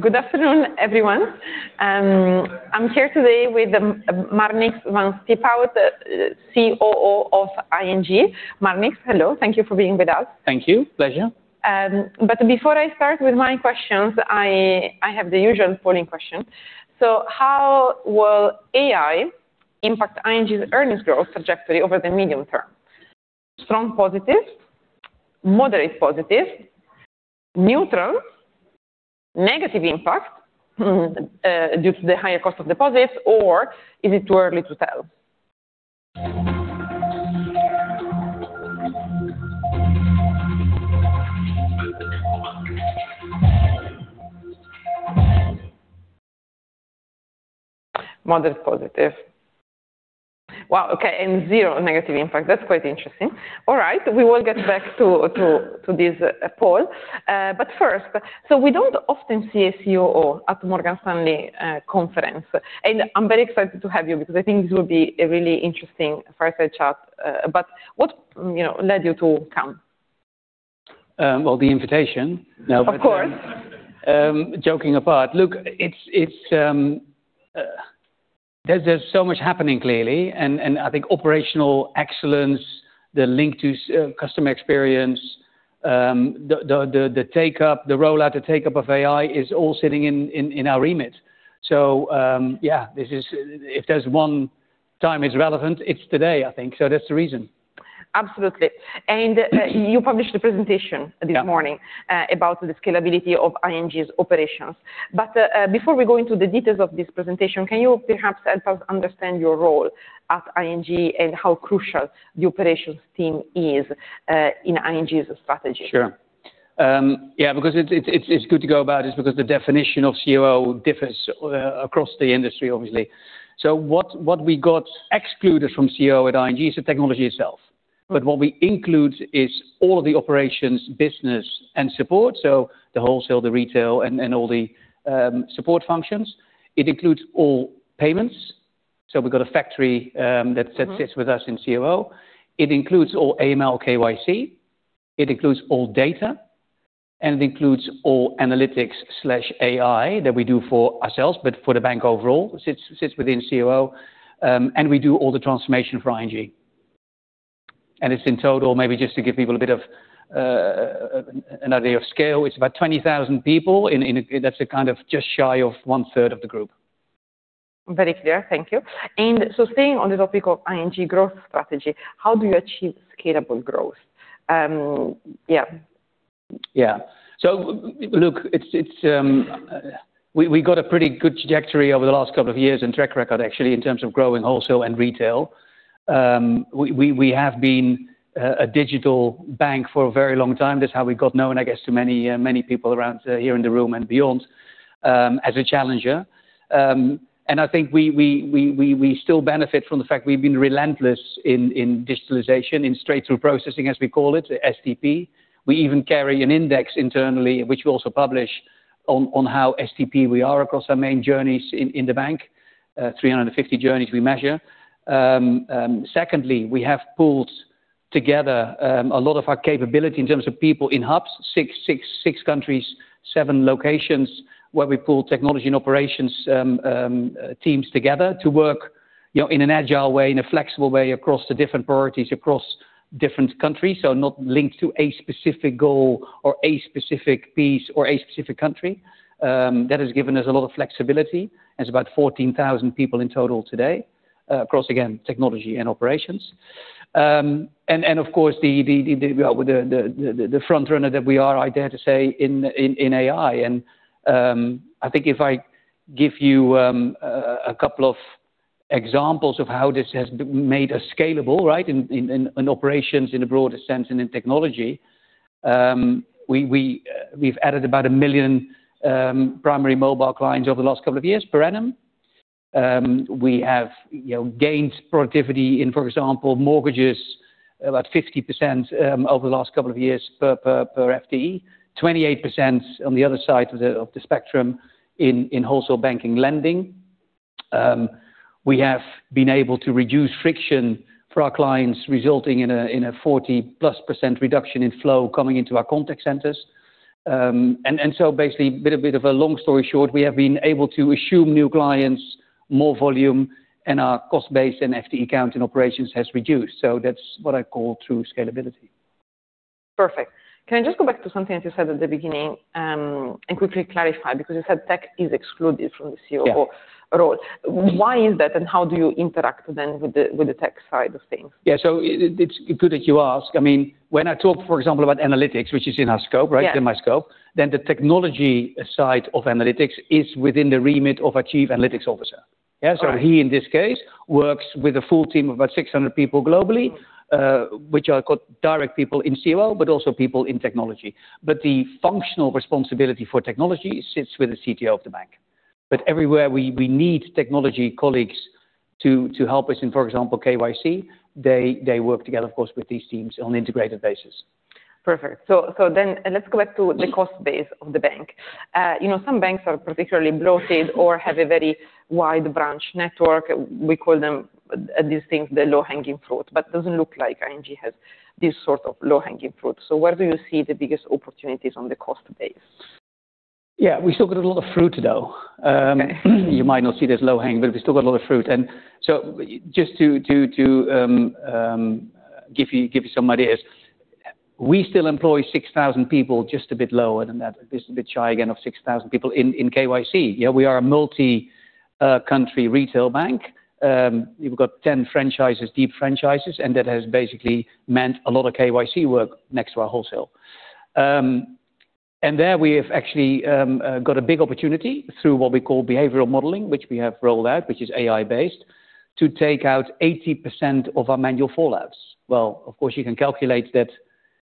Good afternoon, everyone. I'm here today with Marnix van Stiphout, COO of ING. Marnix, hello. Thank you for being with us. Thank you. Pleasure. Before I start with my questions, I have the usual polling question. How will AI impact ING's earnings growth trajectory over the medium term? Strong positive, moderate positive, neutral, negative impact due to the higher cost of deposits, or is it too early to tell? Moderate positive. Wow, okay. Zero negative impact. That's quite interesting. All right, we will get back to this poll. First, we don't often see a COO at Morgan Stanley conference. I'm very excited to have you because I think this will be a really interesting fireside chat, but what, you know, led you to come? Well, the invitation. No, but. Of course. Joking apart. Look, there's so much happening, clearly. I think operational excellence, the link to customer experience, the uptake, the rollout, the uptake of AI is all sitting in our remit. Yeah, this is. If there's one time it's relevant, it's today, I think. That's the reason. Absolutely. You published a presentation. Yeah. This morning, about the scalability of ING's operations. Before we go into the details of this presentation, can you perhaps help us understand your role at ING and how crucial the operations team is, in ING's strategy? Sure. Yeah, because it's good to talk about it because the definition of COO differs across the industry, obviously. What we got excluded from COO at ING is the technology itself. But what we include is all of the operations, business and support. The wholesale, the retail and all the support functions. It includes all payments. We've got a factory that sits with us in COO. It includes all AML, KYC, it includes all data, and it includes all analytics and AI that we do for ourselves, but for the bank overall sits within COO. We do all the transformation for ING. It's in total, maybe just to give people a bit of an idea of scale, it's about 20,000 people. That's kind of just shy of one-third of the group. Very clear. Thank you. Staying on the topic of ING growth strategy, how do you achieve scalable growth? Yeah. Yeah. Look, we got a pretty good trajectory over the last couple of years and track record, actually, in terms of growing wholesale and retail. We have been a digital bank for a very long time. That's how we got known, I guess, to many people around here in the room and beyond, as a challenger. I think we still benefit from the fact we've been relentless in digitalization, in straight-through processing, as we call it, STP. We even carry an index internally, which we also publish, on how STP we are across our main journeys in the bank. 350 journeys we measure. Secondly, we have pulled together a lot of our capability in terms of people in hubs, six countries, seven locations, where we pull technology and operations teams together to work, you know, in an agile way, in a flexible way across the different priorities, across different countries. Not linked to a specific goal or a specific piece or a specific country. That has given us a lot of flexibility. It's about 14,000 people in total today, across, again, technology and operations. And of course, the front runner that we are, I dare to say, in AI. I think if I give you a couple of examples of how this has made us scalable, right, in operations in a broader sense and in technology, we've added about 1,000,000 primary mobile clients over the last couple of years per annum. We have, you know, gained productivity in, for example, mortgages, about 50%, over the last couple of years per FTE. 28% on the other side of the spectrum in wholesale banking lending. We have been able to reduce friction for our clients, resulting in a 40+% reduction in flow coming into our contact centers. Basically, a bit of a long story short, we have been able to assume new clients, more volume, and our cost base and FTE count in operations has reduced. That's what I call true scalability. Perfect. Can I just go back to something that you said at the beginning, and quickly clarify? Because you said tech is excluded from the COO- Yeah. Why is that, and how do you interact then with the tech side of things? Yeah. It's good that you ask. I mean, when I talk, for example, about analytics, which is in our scope, right? Yeah. In my scope. The technology side of analytics is within the remit of a chief analytics officer. Yeah? Right. He, in this case, works with a full team of about 600 people globally, which are called direct people in COO, but also people in technology. The functional responsibility for technology sits with the CTO of the bank. Everywhere we need technology colleagues to help us in, for example, KYC, they work together, of course, with these teams on an integrated basis. Perfect. Let's go back to the cost base of the bank. You know, some banks are particularly bloated or have a very wide branch network. We call them, these things, the low-hanging fruit, but doesn't look like ING has this sort of low-hanging fruit. Where do you see the biggest opportunities on the cost base? Yeah, we still got a lot of fruit, though. You might not see this low-hanging, but we still got a lot of fruit. Just to give you some ideas, we still employ 6,000 people just a bit lower than that. This is a bit shy again of 6,000 people in KYC. You know, we are a multicountry retail bank. We've got 10 franchises, deep franchises, and that has basically meant a lot of KYC work next to our wholesale. There we have actually got a big opportunity through what we call behavioral modeling, which we have rolled out, which is AI-based, to take out 80% of our manual fallouts. Well, of course, you can calculate that,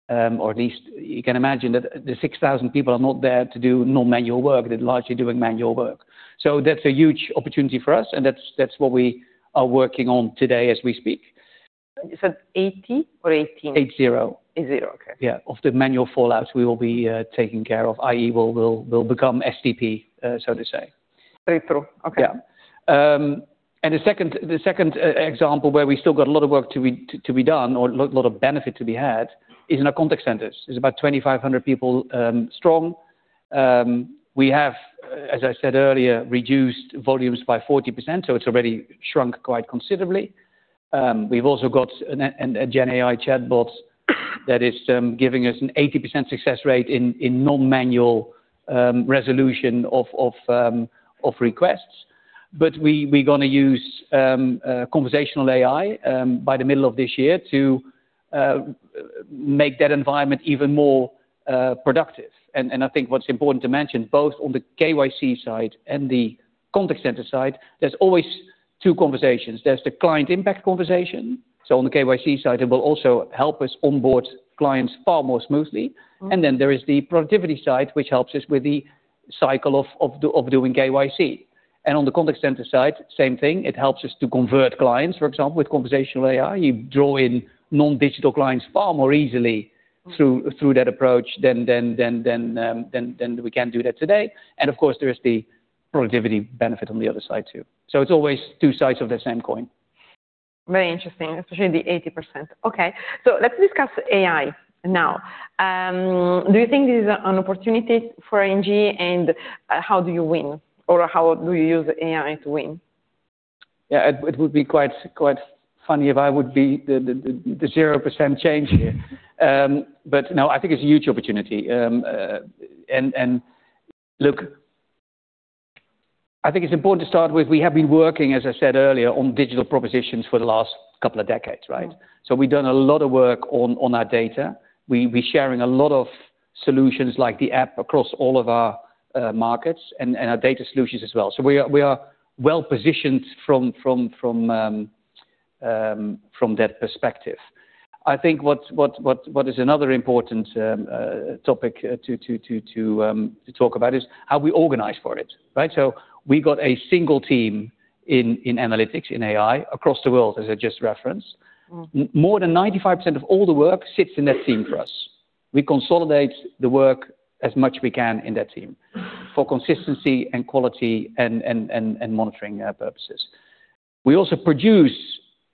or at least you can imagine that the 6,000 people are not there to do no manual work. They're largely doing manual work. That's a huge opportunity for us, and that's what we are working on today as we speak. You said 80 or 18? 80. 80. Okay. Yeah. Of the manual fallouts we will be taking care of, i.e., we'll become STP, so to say. Very true. Okay. Yeah. The second example where we still got a lot of work to be done or lot of benefit to be had is in our contact centers. It's about 2,500 people strong. We have, as I said earlier, reduced volumes by 40%, so it's already shrunk quite considerably. We've also got a GenAI chatbot that is giving us an 80% success rate in non-manual resolution of requests. We're gonna use conversational AI by the middle of this year to make that environment even more productive. I think what's important to mention, both on the KYC side and the contact center side, there's always two conversations. There's the client impact conversation. On the KYC side, it will also help us onboard clients far more smoothly. There is the productivity side, which helps us with the cycle of doing KYC. On the contact center side, same thing, it helps us to convert clients. For example, with conversational AI, you draw in non-digital clients far more easily through that approach than we can do that today. Of course, there is the productivity benefit on the other side too. It's always two sides of the same coin. Very interesting, especially the 80%. Okay. Let's discuss AI now. Do you think this is an opportunity for ING, and how do you win or how do you use AI to win? Yeah, it would be quite funny if I would be the 0% change here. No, I think it's a huge opportunity. Look, I think it's important to start with, we have been working, as I said earlier, on digital propositions for the last couple of decades, right? We've done a lot of work on our data. We've been sharing a lot of solutions like the app across all of our markets and our data solutions as well. We are well-positioned from that perspective. I think what's another important topic to talk about is how we organize for it, right? We got a single team in analytics in AI across the world, as I just referenced. Mm-hmm. More than 95% of all the work sits in that team for us. We consolidate the work as much we can in that team for consistency and quality and monitoring purposes. We also produce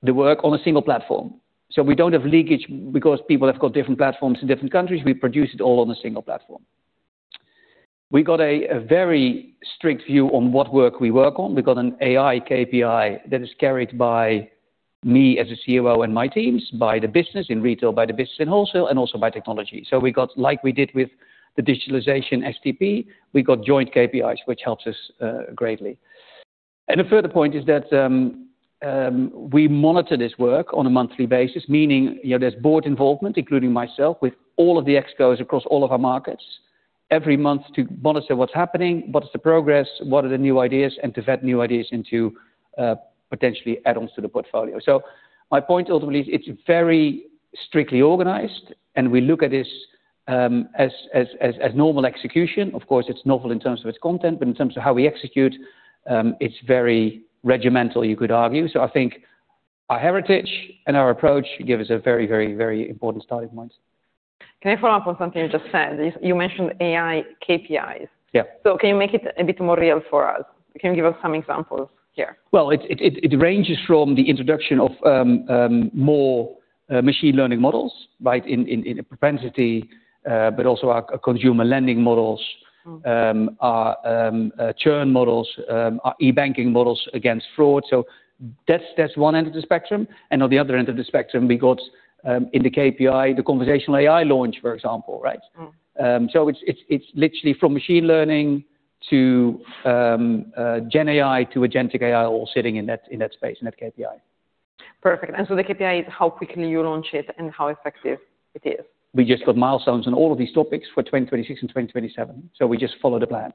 the work on a single platform, so we don't have leakage because people have got different platforms in different countries. We produce it all on a single platform. We got a very strict view on what work we work on. We got an AI KPI that is carried by me as a COO and my teams, by the business in retail, by the business in wholesale, and also by technology. We got, like we did with the digitalization STP, joint KPIs, which helps us greatly. A further point is that we monitor this work on a monthly basis, meaning, you know, there's board involvement, including myself, with all of the exposures across all of our markets every month to monitor what's happening, what is the progress, what are the new ideas, and to vet new ideas into potentially add-ons to the portfolio. My point ultimately is it's very strictly organized, and we look at this as normal execution. Of course, it's novel in terms of its content, but in terms of how we execute, it's very regimented, you could argue. I think our heritage and our approach give us a very, very, very important starting point. Can I follow up on something you just said? You mentioned AI KPIs. Yeah. Can you make it a bit more real for us? Can you give us some examples here? Well, it ranges from the introduction of more machine learning models, right, in propensity, but also our consumer lending models. Mm-hmm Our churn models, our e-banking models against fraud. That's one end of the spectrum. On the other end of the spectrum, we got in the KPI, the conversational AI launch, for example, right? Mm-hmm. It's literally from machine learning to GenAI to agentic AI all sitting in that space in that KPI. Perfect. The KPI is how quickly you launch it and how effective it is. We just got milestones on all of these topics for 2026 and 2027, so we just follow the plan.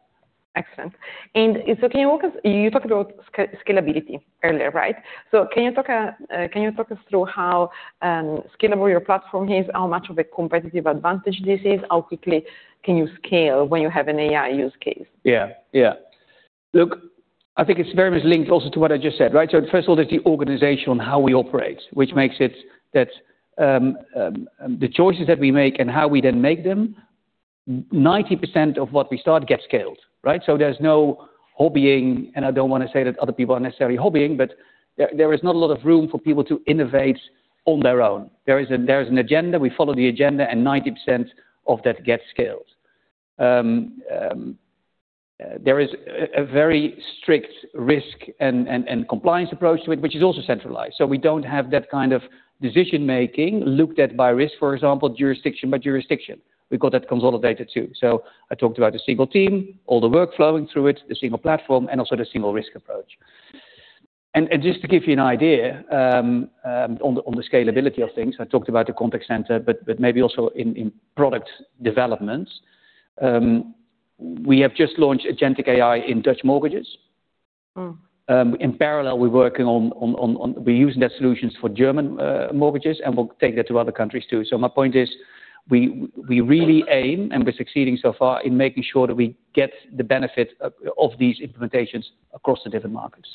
Excellent. You talked about scalability earlier, right? Can you talk us through how scalable your platform is? How much of a competitive advantage this is? How quickly can you scale when you have an AI use case? Yeah. Yeah. Look, I think it's very much linked also to what I just said, right? First of all, there's the organization on how we operate, which makes it that the choices that we make and how we then make them, 90% of what we start gets scaled, right? There's no hobbying, and I don't wanna say that other people are necessarily hobbying, but there is not a lot of room for people to innovate on their own. There is an agenda. We follow the agenda, and 90% of that gets scaled. There is a very strict risk and compliance approach to it, which is also centralized. We don't have that kind of decision-making looked at by risk, for example, jurisdiction by jurisdiction. We've got that consolidated too. I talked about the single team, all the work flowing through it, the single platform, and also the single risk approach. Just to give you an idea, on the scalability of things, I talked about the contact center, maybe also in product developments, we have just launched agentic AI in Dutch mortgages. Mm. In parallel, we're working on those solutions for German mortgages, and we'll take that to other countries, too. My point is, we really aim, and we're succeeding so far, in making sure that we get the benefit of these implementations across the different markets.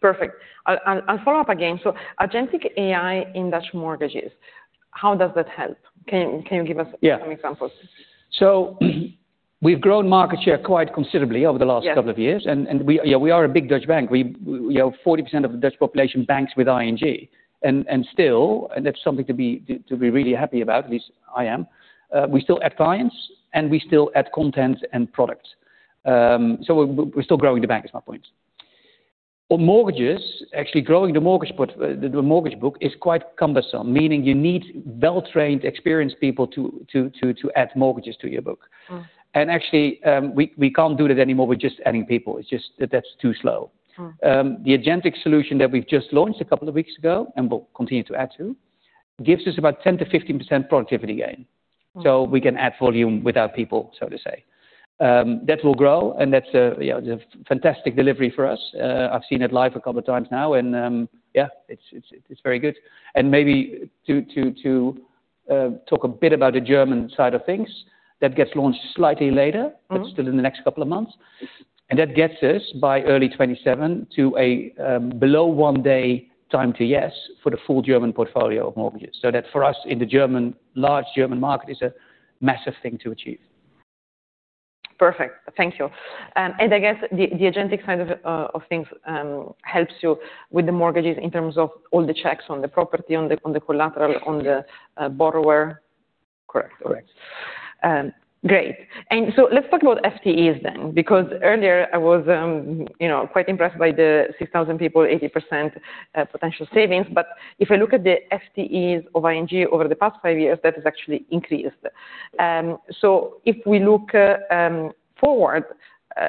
Perfect. I'll follow up again. Agentic AI in Dutch mortgages, how does that help? Can you give us? Yeah. Some examples? We've grown market share quite considerably over the last couple of years. Yes. We are a big Dutch bank. 40% of the Dutch population banks with ING, and still that's something to be really happy about, at least I am. We still add clients, and we still add content and products. We're still growing the bank is my point. For mortgages, actually growing the mortgage book is quite cumbersome, meaning you need well-trained, experienced people to add mortgages to your book. Mm. Actually, we can't do that anymore with just adding people. It's just that that's too slow. Mm. The agentic solution that we've just launched a couple of weeks ago and we'll continue to add to gives us about 10%-15% productivity gain. Mm. We can add volume without people, so to say. That will grow, and that's a you know fantastic delivery for us. I've seen it live a couple of times now and yeah, it's very good. Maybe to talk a bit about the German side of things, that gets launched slightly later. Mm. Still in the next couple of months. That gets us by early 2027 to a below one day time to yes for the full German portfolio of mortgages. That for us in the German, large German market is a massive thing to achieve. Perfect. Thank you. I guess the agentic side of things helps you with the mortgages in terms of all the checks on the property, on the collateral. On the borrower. Correct. Correct. Great. Let's talk about FTEs then, because earlier I was, you know, quite impressed by the 6,000 people, 80% potential savings. If I look at the FTEs of ING over the past five years, that has actually increased. If we look forward,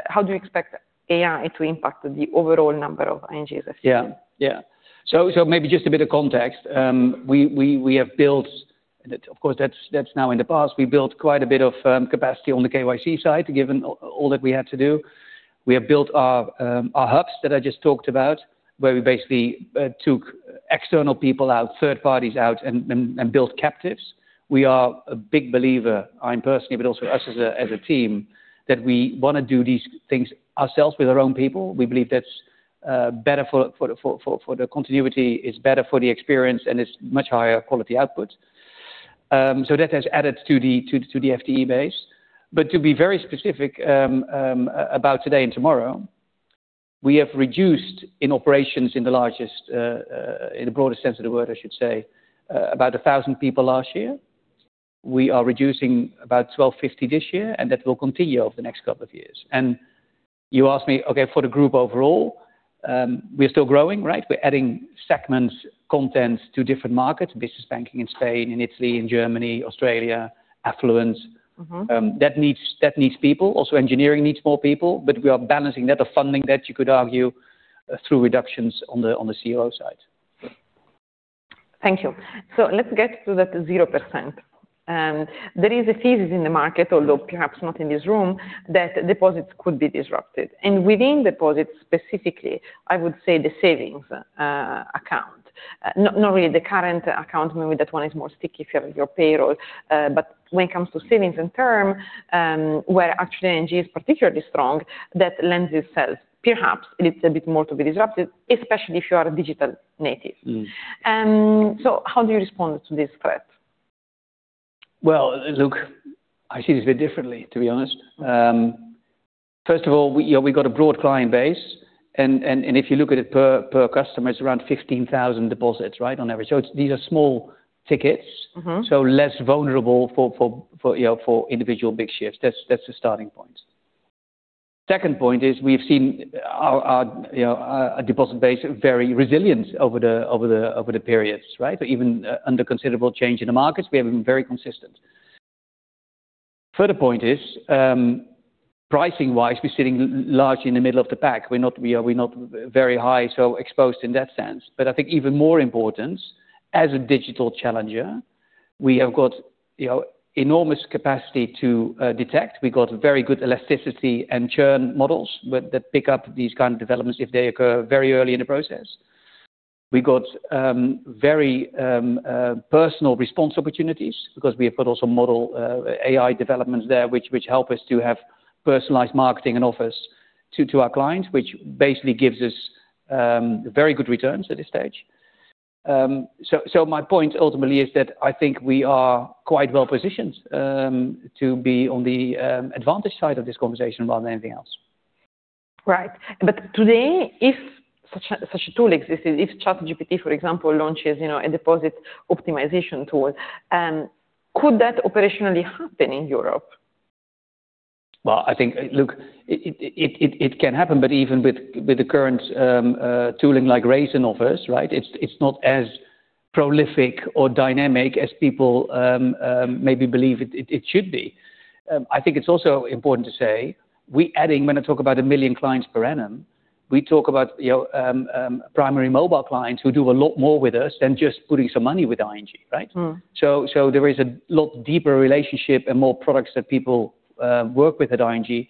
how do you expect AI to impact the overall number of ING's FTE? Yeah. Maybe just a bit of context. We have built, of course. That's now in the past. We built quite a bit of capacity on the KYC side, given all that we had to do. We have built our hubs that I just talked about, where we basically took external people out, third parties out and built captives. We are a big believer. I'm personally, but also us as a team, that we wanna do these things ourselves with our own people. We believe that's better for the continuity. It's better for the experience, and it's much higher quality output. That has added to the FTE base. To be very specific, about today and tomorrow, we have reduced in operations in the largest, in the broadest sense of the word, I should say, about 1,000 people last year. We are reducing about 1,250 this year, and that will continue over the next couple of years. You asked me, okay, for the group overall, we're still growing, right? We're adding segments, content to different markets, business banking in Spain, in Italy, in Germany, Australia, affluents. Mm-hmm. That needs people. Also, engineering needs more people, but we are balancing that, the funding that you could argue through reductions on the COO side. Thank you. Let's get to that 0%. There is a thesis in the market, although perhaps not in this room, that deposits could be disrupted. Within deposits specifically, I would say the savings account. Not really the current account, maybe that one is more sticky if you have your payroll. When it comes to savings and term, where actually ING is particularly strong, that lends itself perhaps a little bit more to be disrupted, especially if you are a digital native. Mm. How do you respond to this threat? Well, look, I see this a bit differently, to be honest. First of all, we, you know, we've got a broad client base, and if you look at it per customer, it's around 15,000 deposits, right, on average. It's these are small tickets. Mm-hmm. Less vulnerable for you know for individual big shifts. That's the starting point. Second point is we've seen our you know our deposit base very resilient over the periods, right? Even under considerable change in the markets, we have been very consistent. Further point is pricing-wise, we're sitting large in the middle of the pack. We're not very high, so exposed in that sense. But I think even more important, as a digital challenger, we have got you know enormous capacity to detect. We got very good elasticity and churn models that pick up these kind of developments if they occur very early in the process. We got very personalized response opportunities because we have put also model AI developments there which help us to have personalized marketing and offers to our clients, which basically gives us very good returns at this stage. My point ultimately is that I think we are quite well positioned to be on the advantage side of this conversation rather than anything else. Right. Today, if such a tool existed, if ChatGPT, for example, launches, you know, a deposit optimization tool, could that operationally happen in Europe? Well, I think, look, it can happen, but even with the current tooling like Raisin office, right, it's not as prolific or dynamic as people maybe believe it should be. I think it's also important to say, when I talk about 1,000,000 clients per annum, we talk about, you know, primary mobile clients who do a lot more with us than just putting some money with ING, right? Mm. There is a lot deeper relationship and more products that people work with at ING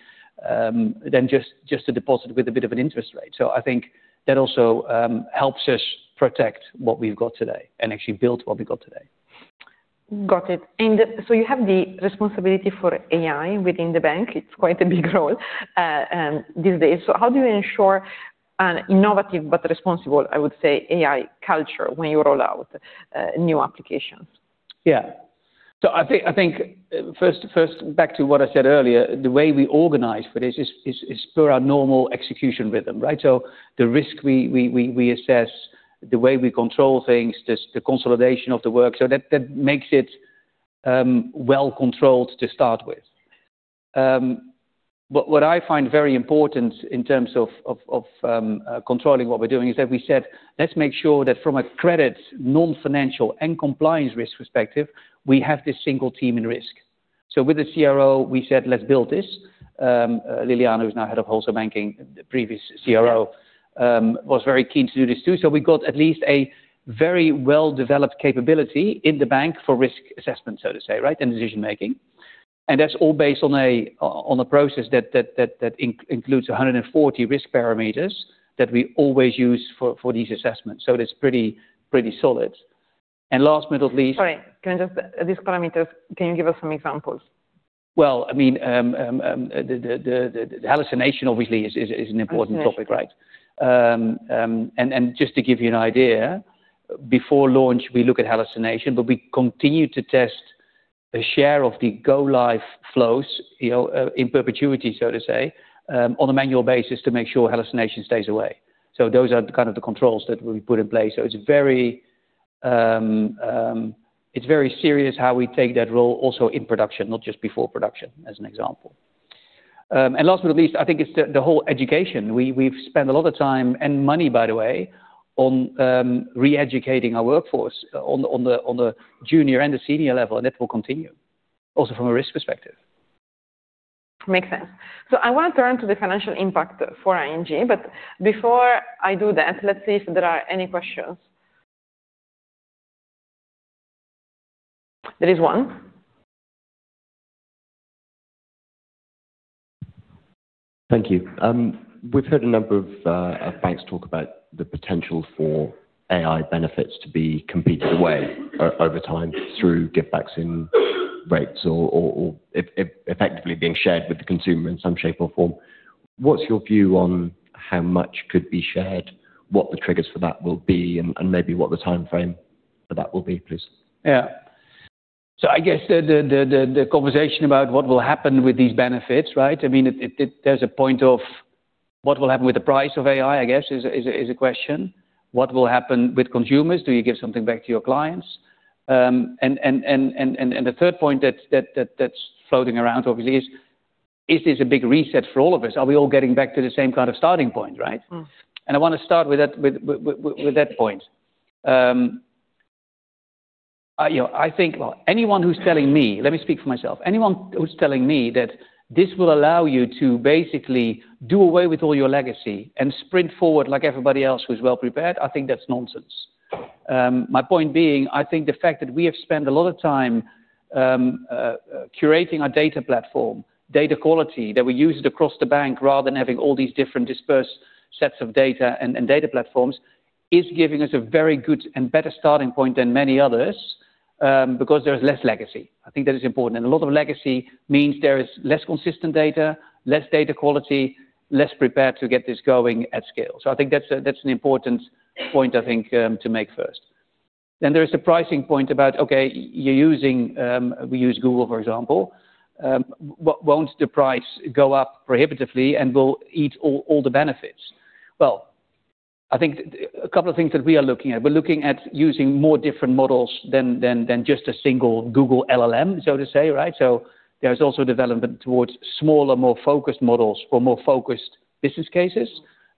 than just a deposit with a bit of an interest rate. I think that also helps us protect what we've got today and actually build what we've got today. Got it. You have the responsibility for AI within the bank. It's quite a big role these days. How do you ensure an innovative but responsible, I would say, AI culture when you roll out new applications? Yeah. I think first, back to what I said earlier, the way we organize for this is per our normal execution rhythm, right? The risk we assess, the way we control things, the consolidation of the work, so that makes it well controlled to start with. But what I find very important in terms of controlling what we're doing is that we said, let's make sure that from a credit, non-financial, and compliance risk perspective, we have this single team in risk. With the CRO, we said, "Let's build this." Ljiljana Čortan, who's now Head of Wholesale Banking, the previous CRO, was very keen to do this, too. We got at least a very well-developed capability in the bank for risk assessment, so to say, right, and decision-making. That's all based on a process that includes 140 risk parameters that we always use for these assessments. It is pretty solid. Last but not least. Sorry. These parameters, can you give us some examples? Well, I mean, the hallucination obviously is an important topic, right? Just to give you an idea, before launch, we look at hallucination, but we continue to test the share of the go live flows, you know, in perpetuity, so to say, on a manual basis to make sure hallucination stays away. Those are the kind of the controls that we put in place. It's very serious how we take that role also in production, not just before production, as an example. Last but not least, I think it's the whole education. We've spent a lot of time and money, by the way, on re-educating our workforce on the junior and the senior level, and that will continue also from a risk perspective. Makes sense. I want to turn to the financial impact for ING, but before I do that, let's see if there are any questions. There is one. Thank you. We've heard a number of banks talk about the potential for AI benefits to be competed away over time through give backs in rates or effectively being shared with the consumer in some shape or form. What's your view on how much could be shared, what the triggers for that will be, and maybe what the timeframe for that will be, please? Yeah. I guess the conversation about what will happen with these benefits, right? I mean, there's a point of what will happen with the price of AI, I guess, is a question. What will happen with consumers? Do you give something back to your clients? The third point that's floating around obviously is this a big reset for all of us? Are we all getting back to the same kind of starting point, right? Mm. I wanna start with that point. You know, I think anyone who's telling me, let me speak for myself. Anyone who's telling me that this will allow you to basically do away with all your legacy and sprint forward like everybody else who's well prepared, I think that's nonsense. My point being, I think the fact that we have spent a lot of time curating our data platform, data quality that we used across the bank rather than having all these different dispersed sets of data and data platforms, is giving us a very good and better starting point than many others, because there is less legacy. I think that is important. A lot of legacy means there is less consistent data, less data quality, less prepared to get this going at scale. I think that's an important point, I think, to make first. There is the pricing point about, okay, you're using— We use Google, for example. Won't the price go up prohibitively and will eat all the benefits? Well, I think a couple of things that we are looking at. We're looking at using more different models than just a single Google LLM, so to say, right? There's also development towards smaller, more focused models for more focused business cases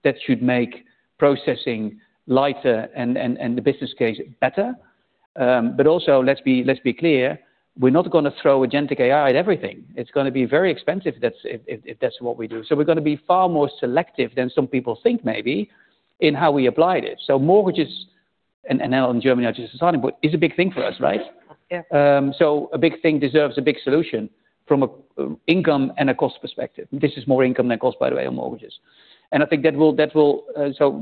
that should make processing lighter and the business case better. But also, let's be clear, we're not gonna throw agentic AI at everything. It's gonna be very expensive if that's what we do. We're gonna be far more selective than some people think maybe in how we applied it. Mortgages and now in Germany are just starting, but is a big thing for us, right? Yeah. A big thing deserves a big solution from an income and a cost perspective. This is more income than cost, by the way, on mortgages. I think that will.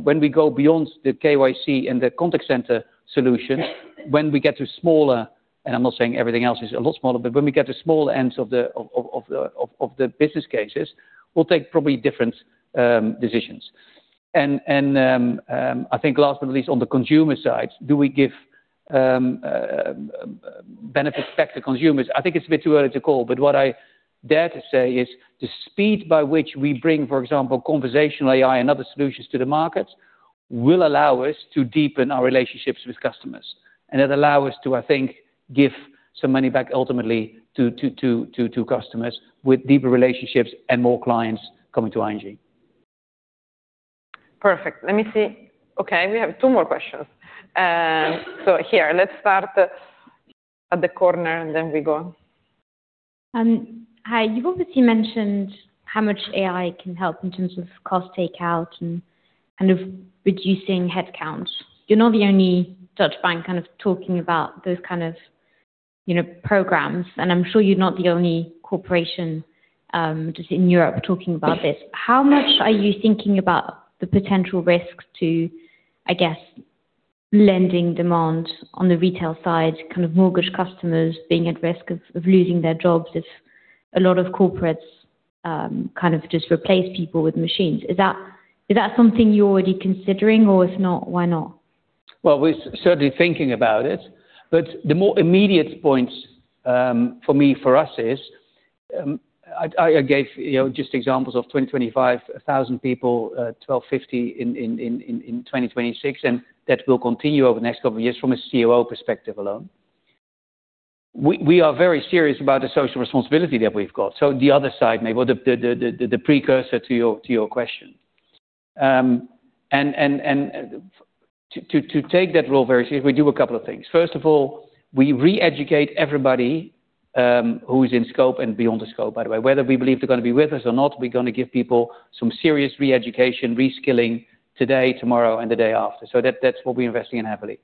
When we go beyond the KYC and the contact center solution, when we get to smaller, and I'm not saying everything else is a lot smaller, but when we get to smaller ends of the business cases, we'll take probably different decisions. I think last but least on the consumer side, do we give benefits back to consumers. I think it's a bit too early to call, but what I dare to say is the speed by which we bring, for example, conversational AI and other solutions to the market, will allow us to deepen our relationships with customers. It allow us to, I think, give some money back ultimately to customers with deeper relationships and more clients coming to ING. Perfect. Let me see. Okay, we have two more questions. Here, let's start at the corner, and then we go on. Hi. You've obviously mentioned how much AI can help in terms of cost takeout and kind of reducing headcounts. You're not the only Dutch bank kind of talking about those kind of, you know, programs, and I'm sure you're not the only corporation, just in Europe talking about this. How much are you thinking about the potential risks to, I guess, lending demand on the retail side, kind of mortgage customers being at risk of losing their jobs if a lot of corporates, kind of just replace people with machines? Is that something you're already considering? If not, why not? Well, we're certainly thinking about it, but the more immediate points for me, for us is, I gave, you know, just examples of 2025, 1,000 people, 1,250 in 2026, and that will continue over the next couple of years from a COO perspective alone. We are very serious about the social responsibility that we've got. The other side, maybe the precursor to your question and to take that role very seriously, we do a couple of things. First of all, we re-educate everybody who is in scope and beyond the scope, by the way. Whether we believe they're gonna be with us or not, we're gonna give people some serious re-education, re-skilling today, tomorrow, and the day after. That's what we're investing in heavily.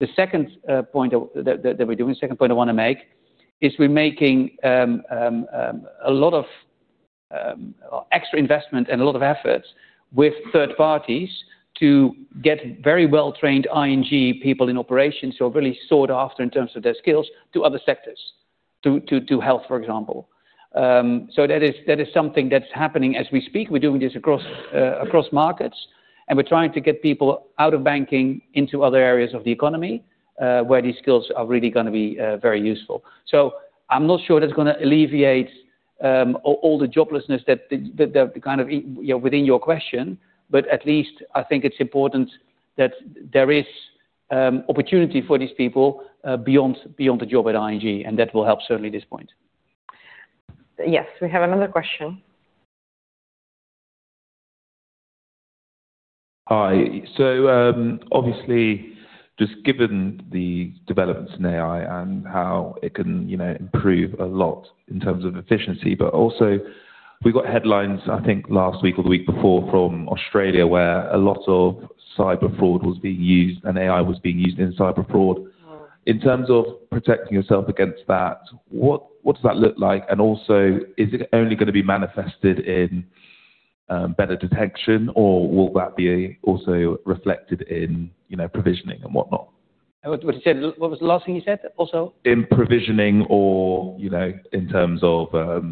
The second point I wanna make is we're making a lot of extra investment and a lot of efforts with third parties to get very well-trained ING people in operations who are really sought after in terms of their skills to other sectors, to health, for example. That is something that's happening as we speak. We're doing this across markets, and we're trying to get people out of banking into other areas of the economy where these skills are really gonna be very useful. I'm not sure that's gonna alleviate all the joblessness that the kind of, you know, within your question, but at least I think it's important that there is opportunity for these people beyond the job at ING, and that will help certainly this point. Yes. We have another question. Hi. Obviously, just given the developments in AI and how it can, you know, improve a lot in terms of efficiency, but also we got headlines, I think last week or the week before from Australia, where a lot of cyber fraud was being used and AI was being used in cyber fraud. In terms of protecting yourself against that, what does that look like? Also, is it only gonna be manifested in better detection or will that be also reflected in, you know, provisioning and whatnot? What you said? What was the last thing you said? Also? You know, in terms of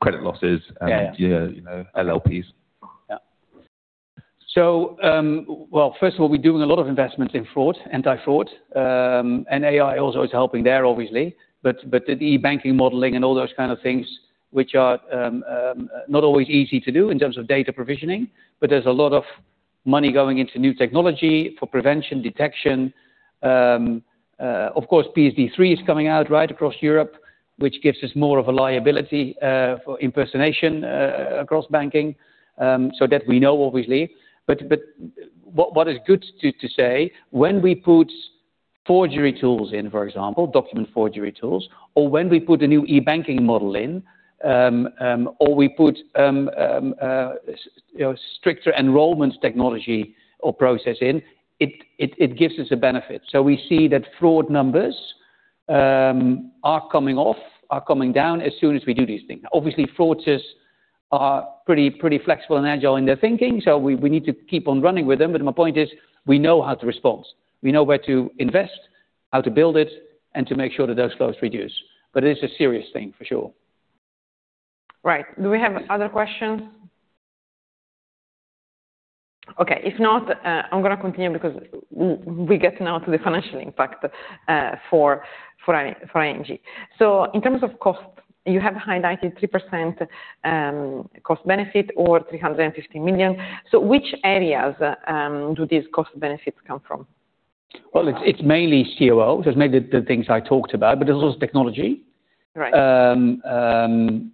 credit losses and Yeah. You know, LLPs. Yeah. Well, first of all, we're doing a lot of investments in fraud, anti-fraud, and AI also is helping there, obviously. The e-banking modeling and all those kind of things which are not always easy to do in terms of data provisioning, but there's a lot of money going into new technology for prevention, detection. Of course, PSD3 is coming out right across Europe, which gives us more of a liability for impersonation across banking, so that we know, obviously. What is good to say, when we put forgery tools in, for example, document forgery tools, or when we put a new e-banking model in, or we put you know, stricter enrollments technology or process in, it gives us a benefit. We see that fraud numbers are coming down as soon as we do these things. Obviously, fraudsters are pretty flexible and agile in their thinking, so we need to keep on running with them. My point is, we know how to respond. We know where to invest, how to build it, and to make sure that those flows reduce. It is a serious thing for sure. Right. Do we have other questions? Okay. If not, I'm gonna continue because we get now to the financial impact for ING. In terms of cost, you have highlighted 3% cost benefit or 350 million. Which areas do these cost benefits come from? Well, it's mainly COO. There's mainly the things I talked about, but there's also technology. Right. The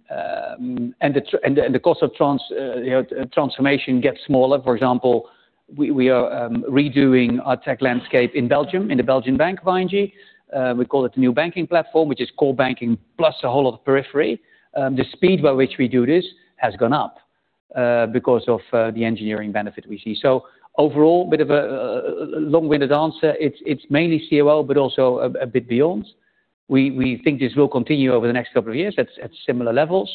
cost of transformation gets smaller. You know, for example, we are redoing our tech landscape in Belgium, in the Belgian bank of ING. We call it the New Banking Platform, which is core banking plus a whole lot of periphery. The speed by which we do this has gone up because of the engineering benefit we see. Overall, bit of a long-winded answer. It's mainly COO, but also a bit beyond. We think this will continue over the next couple of years at similar levels.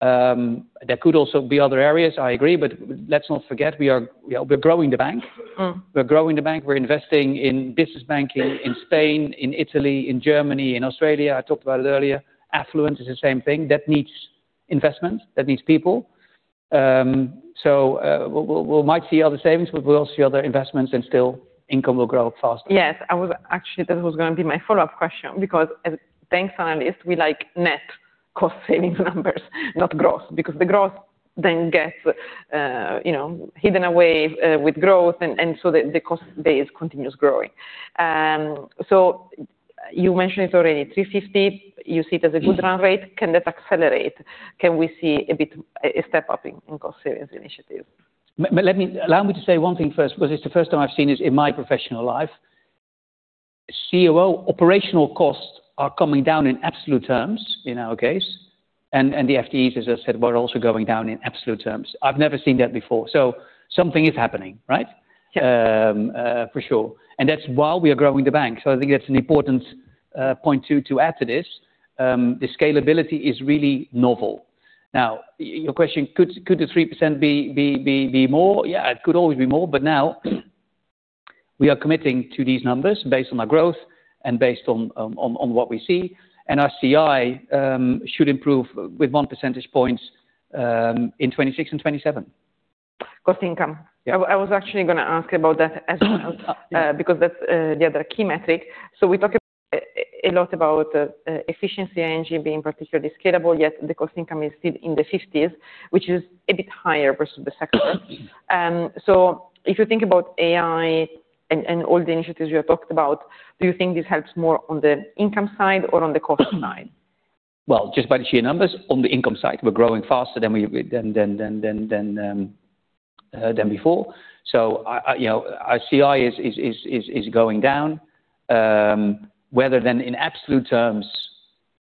There could also be other areas, I agree, but let's not forget we are, you know, growing the bank. Mm. We're growing the bank. We're investing in business banking in Spain, in Italy, in Germany, in Australia. I talked about it earlier. Affluence is the same thing. That needs investment, that needs people. We'll might see other savings, but we'll also see other investments and still income will grow faster. Actually, that was gonna be my follow-up question because as bank analysts, we like net cost savings numbers, not gross. Because the gross then gets hidden away with growth and so the cost base continues growing. So you mentioned it already, 350, you see it as a good run rate. Can that accelerate? Can we see a bit, a step up in cost savings initiative? Allow me to say one thing first, because it's the first time I've seen this in my professional life. COO operational costs are coming down in absolute terms, in our case, and the FTEs, as I said, were also going down in absolute terms. I've never seen that before. Something is happening, right? Yeah. For sure. That's while we are growing the bank. I think that's an important point, too, to add to this. The scalability is really novel. Now, your question, could the 3% be more? Yeah, it could always be more, but now we are committing to these numbers based on our growth and based on what we see. Our CI should improve with 1 percentage point in 2026 and 2027. Cost income. Yeah. I was actually gonna ask about that as well, because that's the other key metric. We talked a lot about efficiency engine being particularly scalable, yet the cost-income is still in the fifties, which is a bit higher versus the sector. If you think about AI and all the initiatives you have talked about, do you think this helps more on the income side or on the cost side? Just by the sheer numbers on the income side, we're growing faster than before. I, you know, our CI is going down. Whether then in absolute terms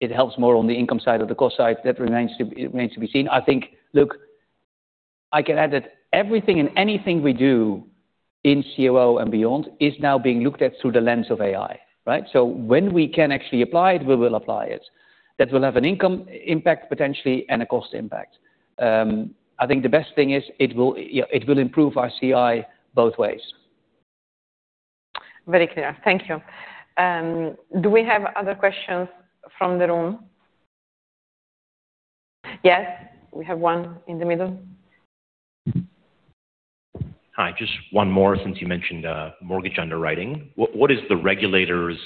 it helps more on the income side or the cost side, that remains to be seen. I think, look, I can add that everything and anything we do in COO and beyond is now being looked at through the lens of AI, right? When we can actually apply it, we will apply it. That will have an income impact potentially and a cost impact. I think the best thing is it will improve our CI both ways. Very clear. Thank you. Do we have other questions from the room? Yes, we have one in the middle. Hi. Just one more, since you mentioned, mortgage underwriting. What is the regulator's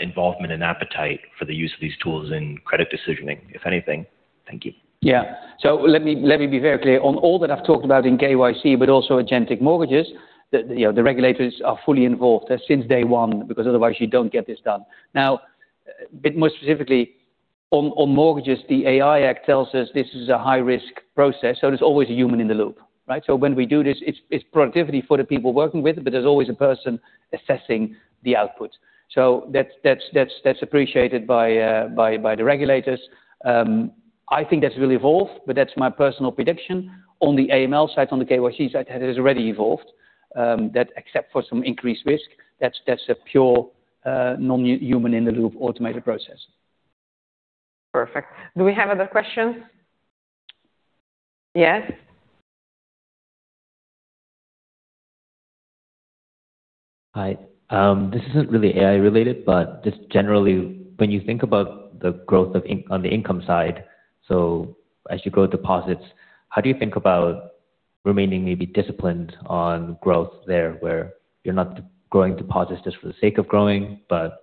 involvement and appetite for the use of these tools in credit decisioning, if anything? Thank you. Yeah. Let me be very clear. On all that I've talked about in KYC, but also agentic mortgages, you know, the regulators are fully involved since day one, because otherwise you don't get this done. Now, bit more specifically on mortgages, the AI Act tells us this is a high-risk process, so there's always a human in the loop, right? When we do this, it's productivity for the people working with, but there's always a person assessing the output. That's appreciated by the regulators. I think that will evolve, but that's my personal prediction. On the AML side, on the KYC side, that has already evolved. That except for some increased risk, that's a pure non-human in the loop automated process. Perfect. Do we have other questions? Yes. Hi. This isn't really AI related, but just generally when you think about the growth on the income side, so as you grow deposits, how do you think about remaining maybe disciplined on growth there, where you're not growing deposits just for the sake of growing, but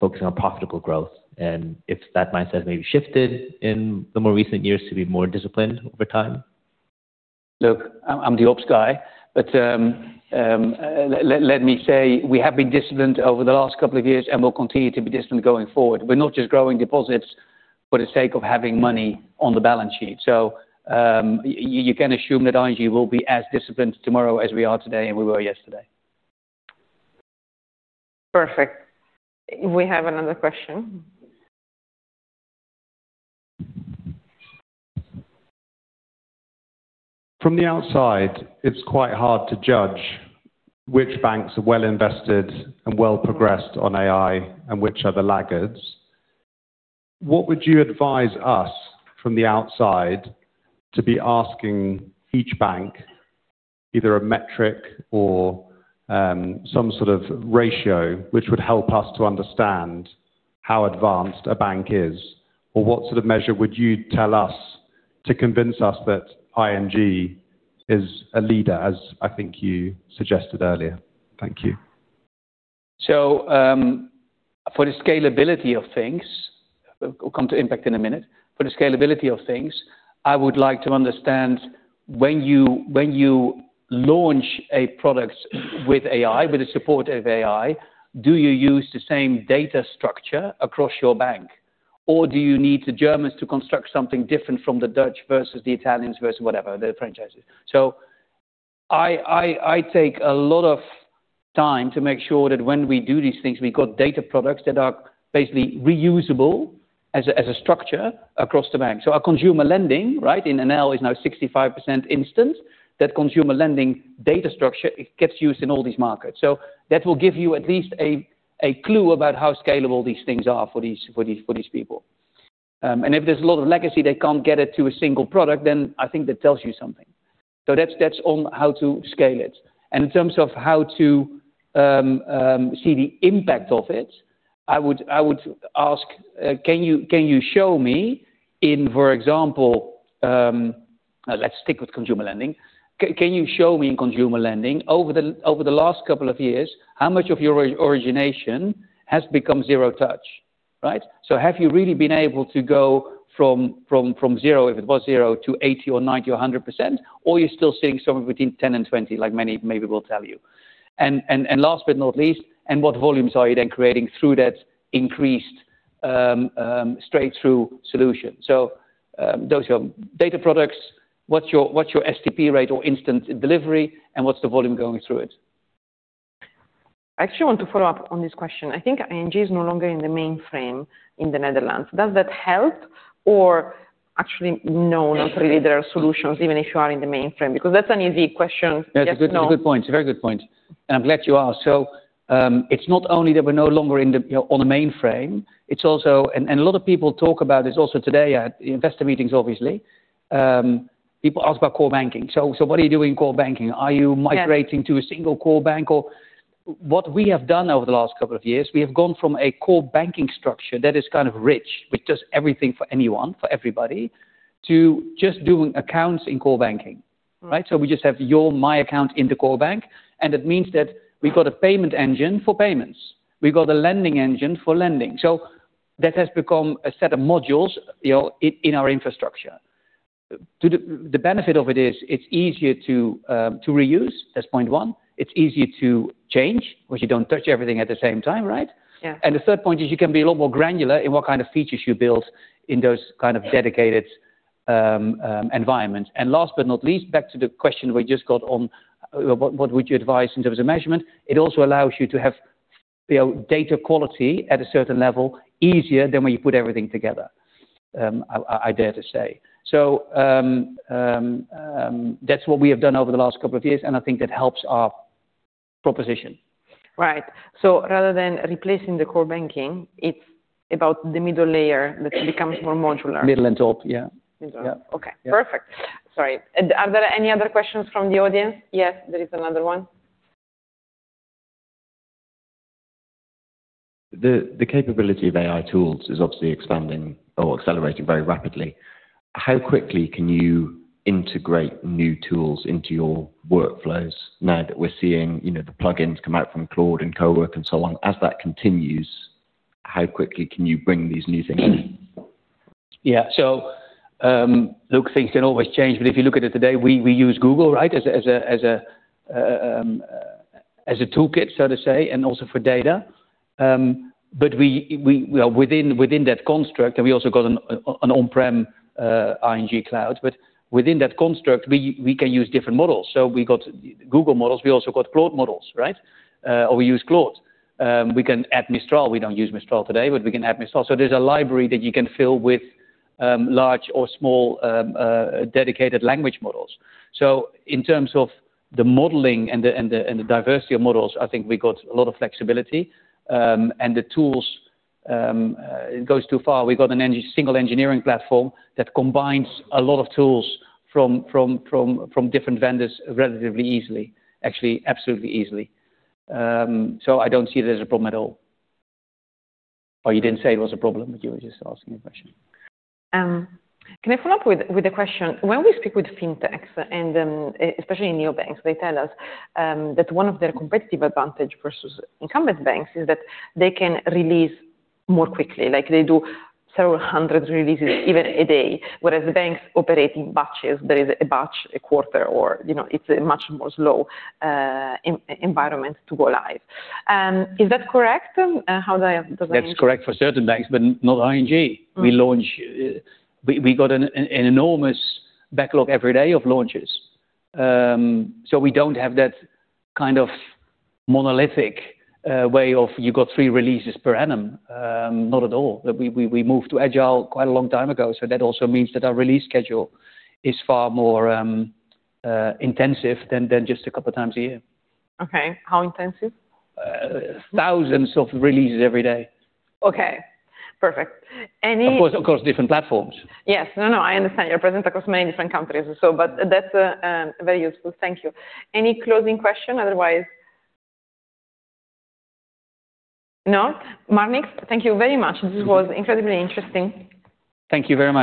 focusing on profitable growth? If that mindset maybe shifted in the more recent years to be more disciplined over time? Look, I'm the ops guy, but let me say we have been disciplined over the last couple of years, and we'll continue to be disciplined going forward. We're not just growing deposits for the sake of having money on the balance sheet. You can assume that ING will be as disciplined tomorrow as we are today and we were yesterday. Perfect. We have another question. From the outside, it's quite hard to judge which banks are well invested and well progressed on AI and which are the laggards. What would you advise us from the outside to be asking each bank either a metric or, some sort of ratio which would help us to understand how advanced a bank is? Or what sort of measure would you tell us to convince us that ING is a leader, as I think you suggested earlier? Thank you. For the scalability of things, we'll come to impact in a minute. For the scalability of things, I would like to understand when you launch a product with AI, with the support of AI, do you use the same data structure across your bank? Or do you need the Germans to construct something different from the Dutch versus the Italians versus whatever, the franchises. I take a lot of time to make sure that when we do these things, we've got data products that are basically reusable as a structure across the bank. Our consumer lending, right, in NL is now 65% instant. That consumer lending data structure gets used in all these markets. That will give you at least a clue about how scalable these things are for these people. If there's a lot of legacy, they can't get it to a single product, then I think that tells you something. That's on how to scale it. In terms of how to see the impact of it, I would ask, can you show me in, for example, let's stick with consumer lending. Can you show me in consumer lending over the last couple of years, how much of your origination has become zero touch, right? Have you really been able to go from zero, if it was zero, to 80% or 90% or 100%, or you're still seeing somewhere between 10% and 20%, like many maybe will tell you. Last but not least, what volumes are you then creating through that increased straight-through solution? Those are data products. What's your STP rate or instant delivery, and what's the volume going through it? I actually want to follow up on this question. I think ING is no longer in the mainframe in the Netherlands. Does that help or actually no, not really there are solutions even if you are in the mainframe? Because that's an easy question, yes, no. That's a good point. It's a very good point. I'm glad you asked. It's not only that we're no longer on the mainframe, it's also, and a lot of people talk about this also today at investor meetings, obviously. People ask about core banking. What are you doing in core banking? Are you migrating? Yes. To a single core bank? Or what we have done over the last couple of years, we have gone from a core banking structure that is kind of rich, which does everything for anyone, for everybody, to just doing accounts in core banking, right? We just have your my account in the core bank, and it means that we've got a payment engine for payments. We've got a lending engine for lending. That has become a set of modules, you know, in our infrastructure. The benefit of it is it's easier to reuse, that's point one. It's easier to change, because you don't touch everything at the same time, right? Yeah. The third point is you can be a lot more granular in what kind of features you build in those kind of dedicated environments. Last but not least, back to the question we just got on, what would you advise in terms of measurement. It also allows you to have, you know, data quality at a certain level easier than when you put everything together. I dare to say. That's what we have done over the last couple of years, and I think that helps our proposition. Right. Rather than replacing the core banking, it's about the middle layer that becomes more modular. Middle and top, yeah. Middle. Yeah. Okay. Yeah. Perfect. Sorry. Are there any other questions from the audience? Yes, there is another one. The capability of AI tools is obviously expanding or accelerating very rapidly. How quickly can you integrate new tools into your workflows now that we're seeing, you know, the plug-ins come out from Claude and Cowork and so on? As that continues, how quickly can you bring these new things in? Yeah. Look, things can always change, but if you look at it today, we use Google, right? As a toolkit, so to say, and also for data. We within that construct, and we also got an on-prem ING cloud. Within that construct, we can use different models. We got Google models, we also got Claude models, right? Or we use Claude. We can add Mistral. We don't use Mistral today, but we can add Mistral. There's a library that you can fill with large or small dedicated language models. In terms of the modeling and the diversity of models, I think we got a lot of flexibility. The tools, it goes too far. We've got a single engineering platform that combines a lot of tools from different vendors relatively easily. Actually, absolutely easily. I don't see it as a problem at all. Oh, you didn't say it was a problem, but you were just asking a question. Can I follow up with a question? When we speak with fintechs and especially in neobanks, they tell us that one of their competitive advantage versus incumbent banks is that they can release more quickly. Like, they do several hundred releases even a day, whereas the banks operate in batches. There is a batch a quarter, or you know, it's a much more slow environment to go live. Is that correct? How does that- That's correct for certain banks, but not ING. Mm. We got an enormous backlog every day of launches. We don't have that kind of monolithic way. You got three releases per annum. Not at all. We moved to Agile quite a long time ago, so that also means that our release schedule is far more intensive than just a couple of times a year. Okay. How intensive? Thousands of releases every day. Okay. Perfect. Of course, different platforms. Yes. No, no, I understand. You're present across many different countries also. That's very useful. Thank you. Any closing question? Otherwise. No. Marnix, thank you very much. This was incredibly interesting. Thank you very much.